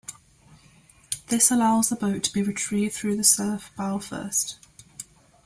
This allows the boat to be retrieved through the surf bow first.